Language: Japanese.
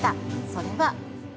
それは。